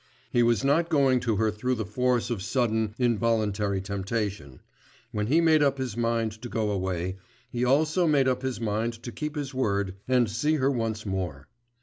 He was not going to her through the force of sudden, involuntary temptation; when he made up his mind to go away, he also made up his mind to keep his word and see her once more.